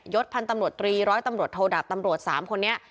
ศพันธ์ตำรวจตรีร้อยตำรวจโทดับตำรวจ๓คนนี้